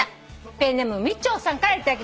ペンネームみっちょんさんから頂きました。